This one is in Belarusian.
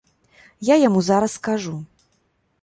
Я яму зараз скажу.